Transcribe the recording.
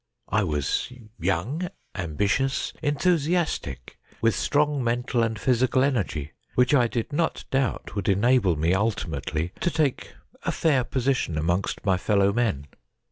I was young, ambitious, enthusiastic, with strong mental and physical energy, which I did not doubt would enable me ultimately to take a fair position amongst my fellow men.